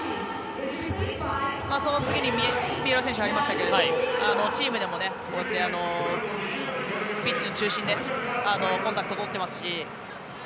その次に三浦選手が入りましたけれどもチームでもこうやってピッチの中心でコンタクトとっていますし。